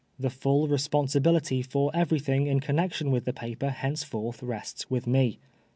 The full responsibility for everything in connexion with the paper henceforth rests with me.